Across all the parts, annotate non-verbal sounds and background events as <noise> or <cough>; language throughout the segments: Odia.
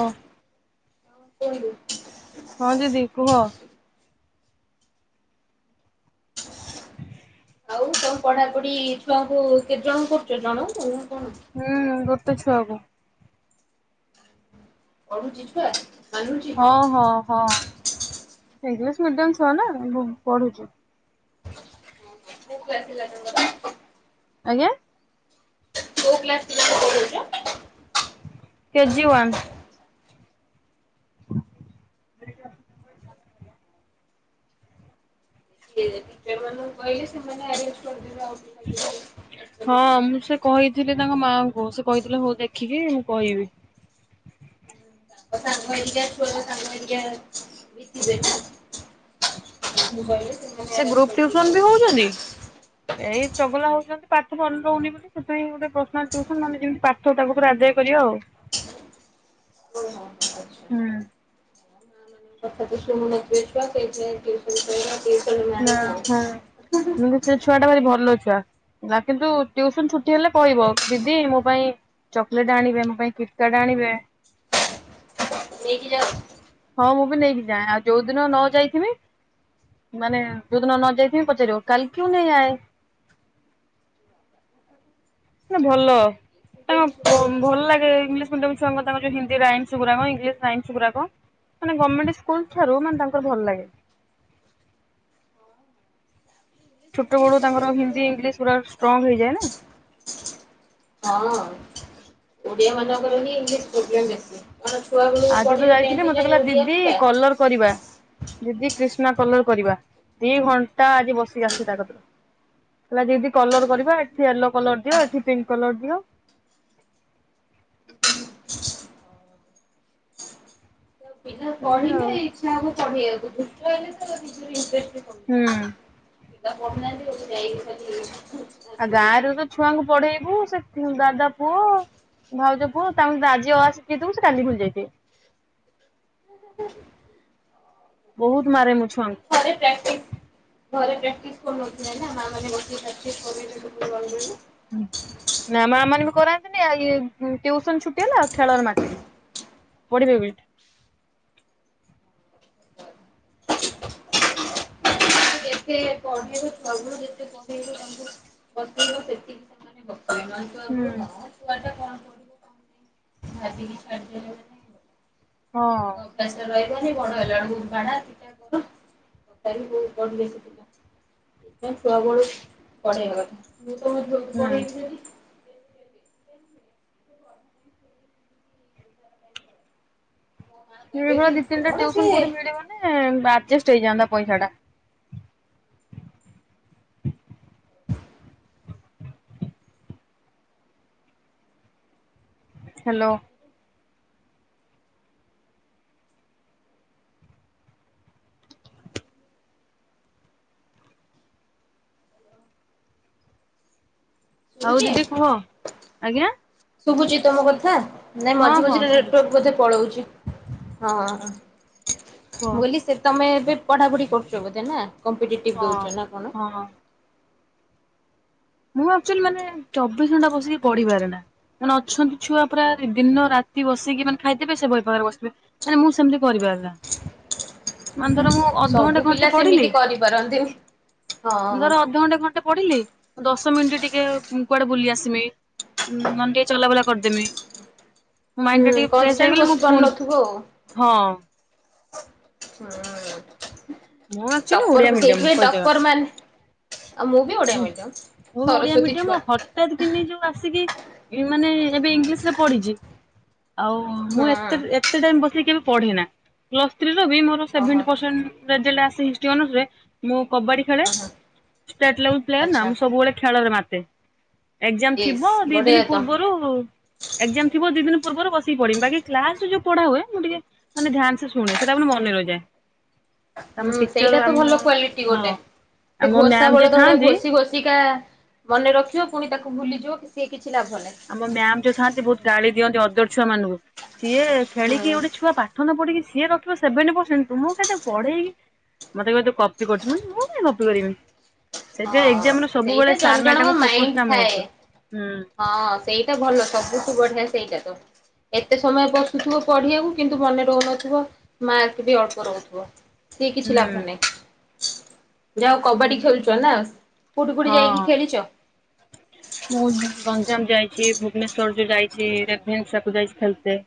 ହଁ। କହିଲୁ। ହଁ ଦିଦି କୁହ। ଆଉ ତମ ପଢାପଢି ଛୁଆଙ୍କୁ କେତେ ଜଣ କରୁଛ ଜଣଙ୍କୁ କଣ? ହୁଁ ଗୋଟେ ଛୁଆକୁ। ପଢୁଚି ଛୁଆ? ମାନୁଛି ହଁ ହଁ ହଁ ଇଂଲିଶ ମିଡିୟମ ଛୁଆ ନା ବୁ ପଢୁଛି। <unintelligible> ଆଜ୍ଞା। କଉ କ୍ଲାସ ପିଲା? KG one. <unintelligible> ମାନଙ୍କୁ କହିଲେ ସେମାନେ ଆରେଞ୍ଜ କରିଦବେ ଆଉ। ହଁ କରିବେ ଆଉ। ମୁଁ ସେ କହିଥିଲି ତାଙ୍କ ମାଆଙ୍କୁ ସେ କହିଥିଲେ ହଉ ଦେଖିକି ମୁଁ କହିବି। ସାଙ୍ଗ ହେଇକି ଆସିବ ସାଙ୍ଗ କେ ଦେଖା ତାଙ୍କୁ କହିଲେ ସେ ସେମାନେ ଗ୍ରୁପ ଟିଉସନ ବି ଆରେଞ୍ଜ ହଉଛନ୍ତି। କରିଦେବେ। ଏଇ ଚଗଲା ହଉଚନ୍ତି ପାଠ ମନେ ରହୁନି। ସେଥିପାଇଁ ଗୋଟେ ପ୍ରଶ୍ନ ଟିଉସନ ନହେନେ ଯେମିତି ପାଠ ତା ପାଖରେ ଆଦାୟ କରିବା ଆଉ। <unintelligible> ହୁଁ <inaudible> ନେବେ ଛୁଆ ସେଇଥିରେ ଟିଉସନ <inaudible> ନା ହୁଁ ଆଉ। କିନ୍ତୁ ସେ ଛୁଆ ଟା ଭାରି ଭଲ ଛୁଆ। ହେ କିନ୍ତୁ ଟ୍ୟୁଉସନ ଛୁଟି ହେଲେ କହିବ ଦିଦି ମୋ ପାଇଁ ଚକୋଲେଟ୍ ଆଣିବେ ମୋ ପାଇଁ କିଟ୍ କାଟ୍ ଆଣିବେ। ନେଇକି ଯାଉଚ ହଁ ମୁଁ ବି ନେଇକି ଯାଏ ଆଉ ଯୋଉ ଦିନ ନ ଯାଇଥିବି ମାନେ ଯୋଉଦିନ ନ ଯାଇଥିବି ପଚାରିବ କାଲ୍ କିଉଁ ନେଇ ଆଏ? ନା ହଁ ଇଂଲିଶ ମିଡିୟମ ଛୁଆ ଭଲ ଗୁଡାକ ତାଙ୍କ ଭଲ ବହୁତ ଲାଗେ ସ୍ମାର୍ଟ ଇଂଲିଶ ଥାଆନ୍ତି। ମିଡିମ ଛୁଆଙ୍କ ତାଙ୍କ ଯୋଉ ହିନ୍ଦୀ ରାଇନ୍ସ ଗୁଡାକ ଇଂଲିଶ ରାଇନ୍ସ ଗୁଡାକ ମାନେ ଗମେଣ୍ଟ ସ୍କୁଲ ଠାରୁ ମାନେ ତାଙ୍କର ଭଲ ଲାଗେ। ଇଂଲିଶ ଛୋଟ ବଡୁ ଇଂଲିଶ ତାଙ୍କର ଓଡ଼ିଆ ଓଡ଼ିଆ ହିନ୍ଦୀ ଇଂଲିଶ ପୁରା ଷ୍ଟ୍ରଙ୍ଗ ହେଇଯାଏ ନା ହଁ ଓଡ଼ିଆ ମାନଙ୍କର ହିଁ ଇଂଲିଶ ପ୍ରୋବ୍ଲେମ୍ ବେଶୀ କ ଛୁଆ ବେଳ ଆଜି ତ ପଢିବେ ଯାଇଥିଲି ମତେ କହିଲା ଓଡିଆ ଦିଦି ପୁରା କଲର କରିବା। ଦିଦି କ୍ରିଷ୍ଣା କଲର କରିବା ଦି ଘଣ୍ଟା ଆଜି ବସିକି ଆସିକି ତାର ହେଲା ଦିଦି କଲର କରିବା ଏଠି ୟେଲୋ କଲର ଦିଅ ଏଠି ପିଙ୍କ୍ କଲର ଦିଅ ପିଲା ଏଇଆ ଆଉ ପଢିଲେ ଇଛା ହବ ପଢ଼େଇବାକୁ ଦୁଷ୍ଟ ହେଲେ ତ ଇନ୍ଟ୍ରେଷ୍ଟ କମି ହୁଁ <unintelligible> ଯାଇ ଆଉ ଗାଁରେ ତ ଛୁଆଙ୍କୁ ପଢେଇବୁ ସେ ଦାଦା ପୁଅ ଭାଉଜ ପୁଅ ତାଙ୍କୁ ଆସିକିଥିବୁ ସେ କାଲି ଭୁଲି ଯାଇଥିବେ ହ ବହୁତ୍ ମାରେ ମୁୁ ଛୁଆଙ୍କୁ ଘରେ ପ୍ରାକ୍ଟିସ ଘରେ ପ୍ରାକ୍ଟିସ୍ କରଉଥିବେ ନା ମା ମାନେ ବସେଇକି <unintelligible> କର ନା ମା ମାନେ ବି କରାନ୍ତିନି ଟ୍ୟୁଉସନ ଛୁଟି ହେଲା ଆଉ ଖେଳରେ ମାତିଲେ ପଢିବେ ବୋଲି ସେ ପ ସବୁ ଯେତେ କହେଇବ ତାଙ୍କୁ ଵସେଇବ ସେତିକି ସେମାନେ <unintelligible> ମାନେ ବା ହୁଁ ଛୁଆ ଟା କଣ ପଡିବ କଣ ନା ଭାବିକି ଛାଡି <unintelligible> ହଁ କା ରହିବନି ବଡ ହେଲା ବେଳକୁ ବାଡା କର କଟା ବି ବହୁତ୍ ବଢ ସେ <unintelligible> ସେଥିପାଇଁ ଛୁଆ ବେନ୍ଦୁ ପଢେଇବା କଥା ସେଥିପାଇଁ ମୁଁ ଝିଅକୁ ହୁଁ। ପଢେଇବି ଯଦି ମୋ ମା କହିବେ ହଁ ଦି କି ତିନିଟା କଣ ସେ ଟ୍ଯୁସନ କୋଉଠି ମିଳିବ ମାନେ ଆଡଜଷ୍ଟ ହେଇଯାନ୍ତା ପଇସା ଟା। ହ୍ୟାଲୋ ଆଉ ଶୁଣୁଛି ଦିଦି କୁହ ଆଜ୍ଞା ଶୁଭୁଛି ତମ କଥା ନାଇଁ ହଁ ମଝି ହଁ ମଝିରେ ନେଟୱର୍କ ଶୁଭୁଛି ବୋଧେ ପଳଉଛି। ହଁ କୁହ। ମୁଁ କୋହିଲି ସେ ତମେ ଏବେ ପଢାପଢି କରୁଛ ବୋଧେ ନା। କମ୍ପିଟେଟିଭ୍ ହଁ ଦେଉଛ ନା କଣ? ହଁ। ମୁଁ ଆକ୍ଚୁଲି ମାନେ ଚବିଶ୍ ଘଣ୍ଟା ବସିକି ପଢିପାରେ ନା। ମାନେ ଅଛନ୍ତି ଛୁଆ ପୁରା ଦିନ ରାତି ବସିକି ମାନେ ଖାଇଦେବେ ସେ ବହି ପାଖରେ ବସିବେ। ମାନେ ମୁଁ ସେମିତି କରିପାରେ ନା। ମାନେ ଧର ମୁଁ ସବୁ ଅଧଘଣ୍ଟେ ଘଣ୍ଟେ ପିଲା ପଢିଲି ସେମିତି କରିପାରନ୍ତିନି। ହଁ ଧର ଅଧଘଣ୍ଟେ ଘଣ୍ଟେ ପଢିଲି ଦଶ ମିନିଟ୍ ଟିକେ ମୁଁ କୁଆଡେ ବୁଲି ଆସିମି। ନନେ ଟିକେ ଚଲାବୁଲା କରିଦେମି। ମୋ ମାଇଣ୍ଡ୍ ଟା ହୁଁ ଟିକେ ଫ୍ରେଶ୍ କନଷ୍ଟାଣ୍ଟ ହେଇଗଲେ ବସି ମୁଁ ପୁଣି ପାରୁନଥିବ ଆଉ। ହଁ ହୁଁ ମୁଁ ଆକ୍ଚୁଆଲି ଓଡିଆ ଟପ୍ପର କୁ ମିଡିୟମ ସେଇଥିପାଇଁ ଟପ୍ପର ମାନେ ଆଉ ମୁଁ ବି ଓଡିଆ ହୁ ମିଡିୟମ। ମୁବି ଓଡିଆ ସରସ୍ଵତୀ ଛୁଆ ମିଡିୟମ ହ ଠାତ୍ କିିନି ଯୋଉ ଆସିକି ମାନେ ଏବେ ଇଂଲିଶ ରେ ପଢିଚି। ଆଉ ମୁଁ ହୁଁ ଏତେ ଏତେ ଟାଇମବସିକି କେବେ ପଢେନା ପ୍ଲସ୍ ଥ୍ରୀ ର ବି ମୋର ର ଓହୋ ସେଭେଣ୍ଟି ହଁ ପର୍ସେଣ୍ଟ ରେଜଲ୍ଟ ଆସେ ହିଷ୍ଟରୀ ଅନର୍ସ ରେ ମୁଁ କବାଡି ଖେଳେ <inaudible> <unintelligible> ପ୍ଲେୟର ନା ଆଚ୍ଛା ମୁଁ ସବୁବେଳେ ଖେଳରେ ମାତେ। ଏକ୍ଜାମ ଇସ୍ ଥିବ ଦି ବଢିଆ ଦିନି ତ। ପୂର୍ବରୁ ଏକ୍ଜାମ ଥିବ ଦି ଦିନି ପୂର୍ବରୁ ବସିକି ପଢିବି ବାକି କ୍ଲାସରେ ଯୋଉ ପଢା ହୁଏ ମୁଁ ଟିକେ ମାନେ ଧ୍ୟାନ ସେ ଶୁଣେ ସେଟା ପୁଣି ମନେ ରହିଯାଏ। ଆମ ହୁଁ ଟିଚର ସେଇଟା ତ ଆମ ଭଲ କ୍ଵାଲିଟି ହଁ ଗୋଟେ ସେ ଆମ ଘୋଷା ମ୍ୟାମ ବଳ ଯିଏ ତ ଭଳିଆ ଥାଆନ୍ତି ଘୋଷି ଘୋଷିକା ମନେ ରଖିବ ପୁଣି ତାକୁ ଭୁଲିଯିବ କି ସିଏ କିଛି ଲାଭ ନାହିଁ ଆମ ମ୍ୟାାମ ଯୋଉ ଥାନ୍ତି ବହୁତ ଗାଳି ଦିଅନ୍ତି ଅଦର ଛୁଆ ମାନଙ୍କୁ ସିଏ ଖେଳିକି ହୁଁ ଗୋଟେ ଛୁଆ ପା ଠ ନ ପଢିକି ସିଏ ରଖିବ ସେଭେଣ୍ଟି ପର୍ସେଣ୍ଟ ତୁମକୁ କେତେ ପଢେଇକି ମତେ କହିବେ ତୁ କପି କରୁଚୁ ମୁଁ କଇମି ମୁଁ କାହିଁ କପି କରିମି ସେଥିପାଇଁ ହଁ ଏକ୍ଜାମ ରୁ ସବୁବେଳେ ସେଇଟା ଜଣ ସାର ଜଣଙ୍କ ମ୍ୟାଡମ ଫୋକସ ମାଇଣ୍ଡ ଟା ମୋର ଥାଏ। ଥିବ ହୁଁ ହଁ ସେଇଟା ଭଲ ସବୁୁଠୁ ବଢିଆ ସେଇଟା ତ। ଏତେ ସମୟ ବସୁଥିବ ପଢିବାକୁ କିନ୍ତୁ ମନେ ରହୁନଥିବ ମାର୍କ ବି ଅଳ୍ପ ରହୁଥିବ। ସିଏ କିଛି ଲାଭ ହୁଁ ନାଇଁ ଯାହା ହଉ କବାଡି ଖେଳୁଚ ନା କୋଉଠି କୋଉଠି ଯାଇକି ହଁ। ଖେଳିଚ? ମୁଁ ଗଞ୍ଜାମ ଯାଇଚି ଭୁବନେଶ୍ଵର ଯୋ ଯାଇଛି ରେଭେନ୍ସାକୁ ଯାଇଛି ଖେଳତେ।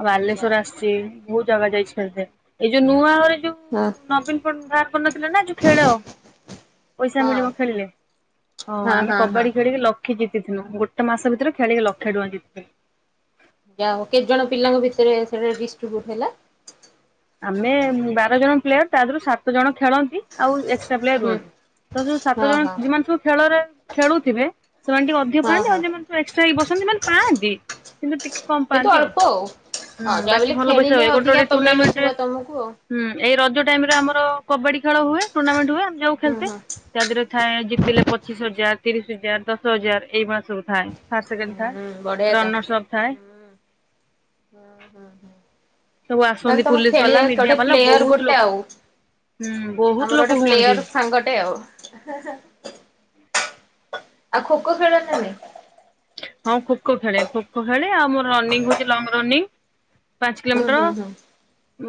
ଆଉ ଆଚ୍ଛା। ବାଲେଶ୍ଵର ଆସିଚି ବହୁତ ଜାଗା ଯାଇଚି ଖେଳଥେ ଏଇ ଯୋଉ ନୂଆ ଘରେ ଯୋଉ ହଁ। ନବୀନ ପଟ୍ଟ ବାହାର କରିନଥିଲେ ନା ଯୋଉ ଖେଳ ପଇସା ହଁ ମିଳିବ ଖେଳିଲେ ହଁ ଆମେ କବାଡି ଖେଳିକି ଲକ୍ଷେ ଜିତିଥିଲୁ ଗୋଟେ ମାସ ଭିତରେ ଖେଳିକି ଲକ୍ଷେ ଟଙ୍କା ଜିତିଥିଲୁ। ଯା ହଉ କେତେ ଜଣ ପିଲାଙ୍କ ଭିତରେ ସେ ଡିଷ୍ଟ୍ରିବ୍ୟୁଟ ହେଲା? ଆମେ ବାର ଜଣ ପ୍ଲେୟର ତା ଦେହରୁ ସାତ ଜଣ ଖେଳନ୍ତି ଆଉ ଏକ୍ସଟ୍ରା ପ୍ଲେୟାର ହୁଁ ରୁହନ୍ତି। ତ ଯୋଉ ହଁ ସାତ ଜଣ ହଁ ଯଉମାନେ ସବୁ ଖେଳରେ ଖେଳୁଥିବେ ସେମାନେ ଟିକେ ଅଧିକ ହଁ ପାଆନ୍ତି ଆଉ ହଁ ଯୋଉ ମା ଏକ୍ସଟ୍ରା ହେଇକି ବସନ୍ତି ମାନେ ପାଆନ୍ତି କିନ୍ତୁ ଟିକେ କମ୍ କିନ୍ତୁ ପାଆନ୍ତି ଆଉ ଅଳ୍ପ ଉଁ ହଁ ଯାହା ବାକି ବଲେ ଭଲ ପଇସା ଖେଳିଲେ ହୁଏ ଗୋଟେ ଅଧିକା ଗୋଟେ ତ ମିଳୁଥିବ ଟୁର୍ଣ୍ଣାମେଣ୍ଟରେ ତମକୁ ଆଉ ହୁଁ ଏଇ ରଜ ଟାଇମ ରେ ଆମର କବାଡି ଖେଳ ହୁଏ ଟୁର୍ଣ୍ଣାମେଣ୍ଟ ହୁଏ ଆମେ ଯାଉ ହୁଁ ଖେଳତେ। ହୁଁ। ତା ଦେହରେ ଥାଏ ଜିତିଲେ ପଚିଶ ହଜାର, ତିରିଶ ହଜାର, ଦଶ ହଜାର ଏଇ ଭଳିଆ ସବୁ ଥାଏ। ଫାଷ୍ଟ ହୁଁ ସେକେଣ୍ଡ ଥାର୍ଡ ବଢିଆ ତ ରନର୍ସ ଅପ୍ ଥାଏ। ହୁଁ ହୁଁ ହୁଁ ହୁଁ ସବୁ ଆସନ୍ତି ତାହେଲେ ତମ ପୁଲିସ ବାଲା ଖେଳିବା ମିଡିଆ ଗୋଟେ ବାଲା ପ୍ଲେୟର ବହୁତ ଗୋଟେ ଲୋକ ଆଉ। ହୁଁ ଆମର ବହୁତ ଗୋଟେ ଲୋକ ହୁଅନ୍ତି। ପ୍ଲେୟର ସାଙ୍ଗଟେ ଆଉ ଏ ହେଁ ହେଁ ଆଉ ଖୋ ଖୋ ଖେଳ ନା ନାଇଁ? ହଁ ଖୋଖୋ ଖେଳେ ଖୋଖୋ ଖେଳେ ଆଉ ମୋର ରନିଙ୍ଗ ହଉଛି ଲଙ୍ଗ ରନିଙ୍ଗ। ପାଞ୍ଚ ହୁଁ କିଲୋମିଟର ହୁଁ ହୁଁ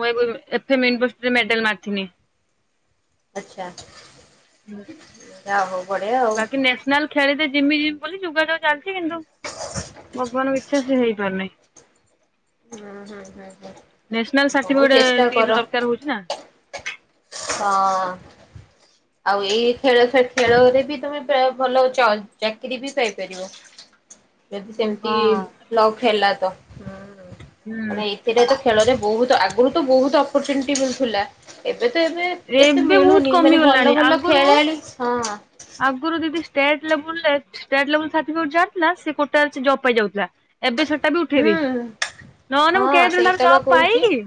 ମୁଁ ଏ <unintelligible> ଏତେ ମେନ ପୋଷ୍ଟରେ ମେଡେଲ ମାରିଥିନି। ଆଚ୍ଛା ଯିଏ ଯା ହଉ ବଢିଆ ଆଉ। ନାଲ ଖେଳିତେ ଜିମି ଜିମି ବୋଲି ଯୁଗାଡ ଚାଲିଚି କିନ୍ତୁ ଭଗବାନଙ୍କ ଇଚ୍ଛା ସେ ହେଇପାରୁନି। ହୁଁ ହୁଁ ହୁଁ ହୁଁ ନେସନାଲ ହଉ ସାର୍ଟିଫିକେଟ ଚେଷ୍ଟା ଟିକେ କର ଦରକାର ହଉଛି ନା ହଁ <unintelligible> ଆଉ ଏଇ ଖେଳ ଖେଳରେ ବି ତମେ ପ୍ରାୟ ଭଲ କରୁଛ ଚାକିରୀ ବି ପାଇପାରିବ। ଯଦି ସେମିତି ହଁ ଲକ୍ ହେଲା ତ ହଁ ହୁଁ ମାନେ। ସେଇଟା ତ ଖେଳରେ ବହୁତ୍ ଆଗରୁ ତ ବହୁତ୍ ଅପରଚୁନିଟି ମିଳୁଥିଲା ଏବେ ତ ଏବେ। ଏତେ ଏବେ ବହୁତ ମିଳୁନି ମାନେ କମିଗଲାଣି ଭଲ ଭଲ ଆଗରୁ ଖେଳାଳି ହଁ ଆଗରୁ ଦିଦି ଷ୍ଟେଟ ଲେବୁଲରେ ଷ୍ଟେଟେ ଲେବେଲ ସାର୍ଟିଫିକେଟ ଯାହାର ଥିଲା ସେ କୋଟରେ ଜବ ପାଇଯାଉଥିଲା। ଏବେ ସେଟା ବି ଉଠେଇ ହୁଁ ଦେଇଛି ନହେଲେ ମୁଁ ହଁ କେଦିନଠୁ ସେଇଟା ଜବ ବା କହୁଛି ପାଇକି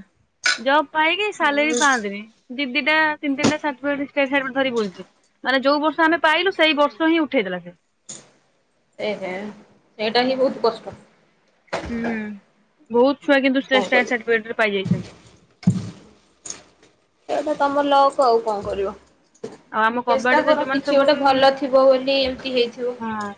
ଜବ ପାଇକି ସାଲାରୀ ହୁଁ ପାଆନ୍ତିଣି। ଦି ଦିଟା ତିନି ତିନିଟା ସାଟିଫିକେଟ ଷ୍ଟେଟେ ସାଟିଫିକେଟ ଧରି କି ବୁଲୁଛି। ମାନେ ଯୋଉ ବର୍ଷ ଆମେ ପାଇଲୁ ସେଇ ବର୍ଷ ହିଁ ଉଠେଇ ଦେଲା ସେ। ଏହେ ସେଇଟା ହିଁ ବହୁତ୍ କଷ୍ଟ। ହୁଁ ବହୁତ୍ ଛୁଆ କିନ୍ତୁ ଷ୍ଟେଟେ ସାର୍ଟିଫିକେଟ ରେ ପାଇଯାଇଛନ୍ତି। ସେଟା ତମର ଲକ୍ ଆଉ କଣ କରିବ। ଆଉ ଆମ ଚେଷ୍ଟା କବାଡିରେ କର ଯୋଉମାନେ କିଛି ସବୁ ଗୋଟେ ବି ଭଲ ଥିବ ବୋଲି ଏମିତି ହେଇଥିବ। ହଁ।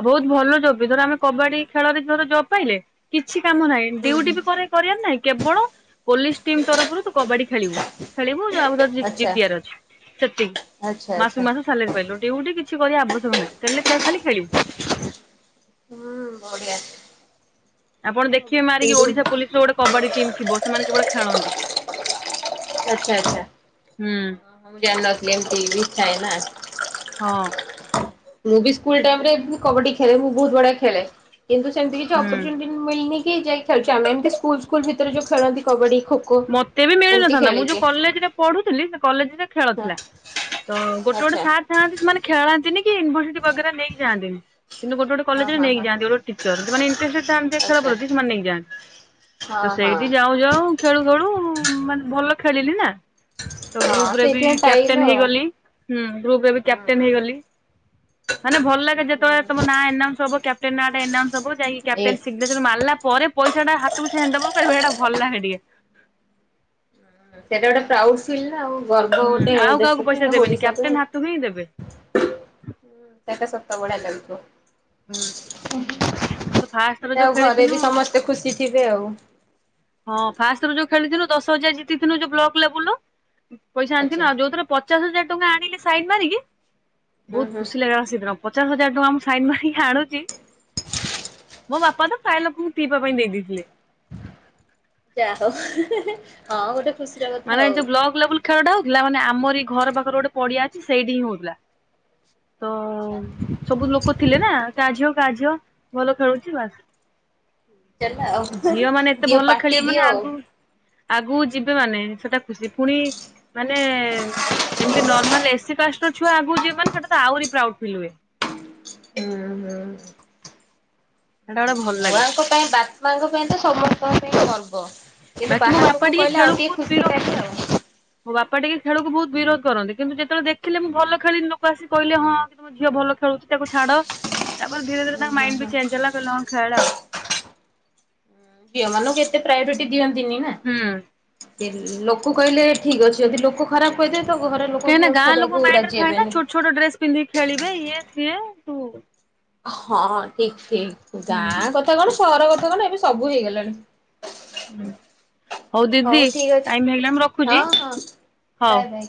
ଆଉ ବହୁତ୍ ଭଲ ଜବ୍ ବି ଧର ଆମେ କବାଡ଼ି ଖେଳରେ ଧର ଜବ୍ ପାଇଲେ କିଛି କାମ ନାହିଁ ହୁଁ ଡ୍ୟୁଟି ହୁଁ କରିବାକୁ। କରିବା ର ନାହିଁ କେବଳ ପୋଲିସ ଟିମ୍ ତରଫରୁ ତୁ କବାଡ଼ି ଖେଳିବୁ। ଖେଳିବୁ ଆଉ ତ ଆଚ୍ଛା ଜିତିବାର ଅଛି ସେତିକି ଆଚ୍ଛା ଆଚ୍ଛା ମାସକୁ ମାସ ସାଲାରି। ବେଲେ ଡ୍ୟୁଟି କିଛି କରିବା ଆବଶ୍ୟକ ନାହିଁ ତେଲେ ଖାଲି ଖେଲିବୁ। ହୁଁ ବଢ଼ିଆ। ଆପଣ ଦେଖିବେ ମାରିକି ଓଡ଼ିଶା ପୋଲିସି ର ଗୋଟେ କବାଡ଼ି ଟିମ୍ ଥିବ ସେମାନେ କେବଳ ଖେଳନ୍ତି। ଆଚ୍ଛା ଆଚ୍ଛା ହୁଁ ମୁଁ ଜାଣିନଥିଲି ଏମିତି ଥାଏ ନା। ହଁ। ମୁଁ ବି ସ୍କୁଲ ଟାଇମ୍ ରେ କବାଡ଼ି ଖେଳେ ମୁଁ ବହୁତ୍ ବଢିଆ ଖେଳେ। କିନ୍ତୁ ସେମିତି କିଛି ହୁଁ। ଅପର୍ଚୁନିଟି ମିଳନି କି ଯାଇକି ଖେଳୁଛି ଆମେ ଏମିତି ସ୍କୁଲ ସ୍କୁଲ ଭିତରେ ଯୋଉ ଖେଳନ୍ତି କବାଡ଼ି ଖୋ। ମତେ ବି ଏମିତି ମିଳିନଥାନ୍ତା। ନା ମୁଁ ଯୋଉ ଖେଳିଛି କଲେଜରେ ପଢୁଥିଲି ସେ କଲେଜରେ ଖେଳ ହଁ ଥିଲା ତ ଗୋଟେ ଗୋଟେ ଆଚ୍ଛା ସାର୍ ଥାନ୍ତି ସେମାନେ ଖେଳନ୍ତିନି କି ୟୁନିଭର୍ସିଟି ବଗରା ନେଇକି ଯାଆନ୍ତିନି। କିନ୍ତୁ ଗୋଟେ ଗୋଟେ ହଁ କଲେରେ ହଁ ନେଇକି ହଁ। ଯାନ୍ତି ଗୋଟେ ଟିଚର ଯୋଉ ମାନେ ଇଣ୍ଟେଷ୍ଟ୍ରେଡେ ଥାନ୍ତି ଖେଳ ଆଚ୍ଛା ପ୍ରତି ସେମାନେ ନେଇକି ଯାଆନ୍ତି। ତ ହଁ ସେଇଠି ହଁ ଯାଉ ଯାଉ ଖେଳୁ ଖେଳୁ ମାନେ ଭଲ ଖେଳିଲି ନା। ତ ହଁ ଗ୍ରୁପ ରେ ବି ସେଇଥିପାଇଁ ପାଇଲ କ୍ୟାପଟେନ ଆଉ। ହେଇଗଲି ହୁଁ ଗ୍ରୁପ ରେ ବି କ୍ୟାପଟେନ ହୁଁ ହେଇଗଲି। ମାନେ ଭଲ ଲାଗେ ଯେତବେଳେ ତମ ହୁଁ ନାଁ ଏନାଉନ୍ସୁ ହବ କ୍ୟାପ୍ଟେନେ ନା ଟା ଏନାଉନ୍ସ ହବ କ୍ୟାପଟେନ ଏସ୍। ସିଗନେ ଚର ମାରିଲା ପରେ ପଇସା ଟା ହାତକୁ ସିଏ ହାଣ୍ଡଭର କରିବ ସେଟା ଭଲ ଲାଗେ ଟିକେ। ସେଟା ଗୋଟେ ପ୍ରାଉଡ ଫିଲ୍ ନା ଆଉ ଗର୍ବ ହୁଁ ଗୋଟେ ଆଉ କାହାକୁ ଦେଶ ପଇସା ପାଇଁ ଦେବେନି ଓଡ଼ିଶା କ୍ୟାପ୍ଟେନ ପାଇଁ। ହାତକୁ ହିଁ ଦେବେ ହୁଁ ସେଟା ସତ ଭଳିଆ ଲାଗୁଥିବ। ହୁଁ। କିନ୍ତୁ ଫାଷ୍ଟ ଥର ଯାହା ଯୋଉ ହଉ ଘରେ ଖେଳିଥିନୁ ବି ସମସ୍ତେ ଖୁସି ଥିବେ ଆଉ। ହଁ ଫାଷ୍ଟ ରୁ ଯୋଉ ଖେଳିଥିଲୁ ଦଶ ହଜାର ଜିତିଥିଲୁ ଯୋଉ ବ୍ଲକ ଲେବୁଲରୁ। ପଇସା ଆଣିଥିଲି ଆଚ୍ଛା। ଆଉ ଯୋଉ ଥର ପଚାଶ ହଜାର ଟଙ୍କା ଆଣିଲି ସାଇନ ମାରିକି ହୁଁ ବହୁତ୍ ହୁଁ ଖୁସି ଲାଗିଲା। ସେଦିନପଚାଷ ହଜାର ଟଙ୍କା ମୁଁ ସାଇନ୍ ମାରିକି ଆଣୁଛି। ମୋ ବାପା ତ ପ୍ରାୟ ଲୋକଙ୍କୁ ପିଇବା ପାଇଁ ଦେଇ ଦେଇ ଥିଲେ। ଯାହାହଉ ହଁ ଗୋଟେ ଖୁ ମାନେ ଯୋଉ ବ୍ଲାକ୍ ଲେବୁଲ ଖେଳଟା ହଉଥିଲା ମାନେ ଆମର ଘର ପାଖରେ ଗୋଟେ ପଡ଼ିଆ ଅଛି ସେଇଠି ହିଁ ହଉଥିଲା। ତ ଆଛା ସବୁ ଲୋକ ଥିଲେ ନା କାହା ଝିଅ କାହା ଝିଅ ଭଲ ଖେଳୁଛି ବାସ୍। ଚାଲ ଆଉ ଝିଅ ମାନେ ଏତେ ଦିଅ ଭଲ ପାଟି ଖେଳିବେ ଦିଅ ମାନେ ଆଉ। ଆଗକୁ। ଆଗକୁ ଯିବେ ମାନେ ସେଟା ଖୁସି ପୁଣି ମାନେ ଏମିତି ନର୍ମାଲ ଏସି କାଷ୍ଟର ଛୁଆ ଆଗକୁ ଯିବେମାନେ ସେଟା ତ ଆହୁରି ପ୍ରାଉଡ ଫିଲ୍ ହୁଏ। ହୁଁ ହୁଁ। ସେଟା ଗୋଟେ ଭଲ ଲାଗେ ଛୁଆଙ୍କ ପାଇଁ ବାପା, ମାଆଙ୍କ ପାଇଁ ତ ସମସ୍ତଙ୍କ ପାଇଁ ଗର୍ବ। କିନ୍ତୁ ବାକି ମୋ ବାହାର ବାପା ଲୋକ କହିଲେ ଆଉ ଖେଳକୁ ଟିକେ ବହୁତ ଖୁସି ବିରୋଧ ଲାଗେ ଆଉ। ମୋ ବାପା ଟିକେ ଖେଳକୁ ବହୁତ ବିରୋଧ କରନ୍ତି କିନ୍ତୁ ଯେତେବେଳେ ଦେଖିଲେ ମୁଁ ଭଲ ଖେଳିି ଲୋକ ଆସି କହିଲେ ହଁ ଝିଅ ଭଲ ଖେଳୁଛି ତାକୁ ଛାଡ ତାପରେ ଧୀରେ ଧୀରେ ହୁଁ ତାଙ୍କ ହୁଁ ମାଇଣ୍ଡ ହୁଁ। ବି ଚେଞ୍ଜ ହେଲା କହିଲେ କଣ ଖେଳ ଆଉ। ଝିଅମାନଙ୍କୁ ଏତେ ପ୍ରାୟୋରିଟି ଦିଅନ୍ତିନି ନା। ହୁଁ। ଲ ଲୋକ କହିଲେ ଠିକ ଅଛି ଯଦି ଲୋକ ଖରାପ କହିଦେବେ ତ ଘରଲୋକ କାହିଁକି ନା ବି ଆଉ ଗାଁ ଲୋକଙ୍କ ଛାଡ଼ିବାକୁ ମାଇଣ୍ଡ ରେ ରାଜି ଥାଏ ନା ହେବେନି। ଛୋଟ ଛୋଟ ଡ୍ରେସ ପିନ୍ଧିକି ଖେଳିବେ ଇଏ ସିଏ ତୁ ହଁ ଠିକ ଠିକ ହୁଁ ଗାଁ କଥା କଣ ସହର କଥା କଣ ଏବେ ସବୁ ହେଇଗଲାଣି। ହୁଁ। ହଉ ଦିଦି ଠିକ ଅଛି ଟାଇମ୍ ହେଇଗଲା ମୁ ହଁ ରଖୁଛି ହଁ ବାଏ ହଉ। ବାଏ।